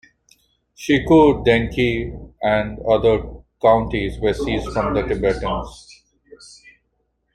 Shiqu, Dengke, and other counties were seized from the Tibetans.